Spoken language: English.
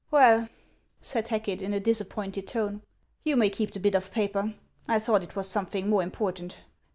" Well;' said Hacket, in a disappointed tone, " you may keep the bit of paper. I thought it was something more important.